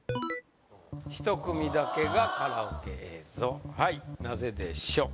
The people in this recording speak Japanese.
１組だけがカラオケ映像はいなぜでしょう？